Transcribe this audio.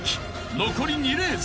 ［残り２レース］